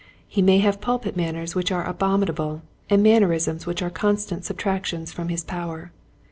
He may have pulpit manners which are abomi nable and mannerisms which are constant subtractions from his power.